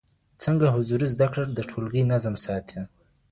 څنګه حضوري زده کړه د ټولګي نظم ساتي؟